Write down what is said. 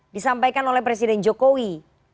disampaikan oleh presiden jokowi